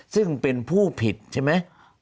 ซึ่งเป็นผู้ผิดใช่ไหม